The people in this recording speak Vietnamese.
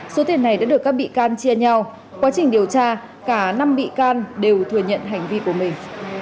số tiền này đã được các bị can chia nhau quá trình điều tra cả năm bị can đều thừa nhận hành vi của mình